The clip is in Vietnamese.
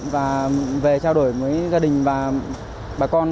và về trao đổi với gia đình và bà con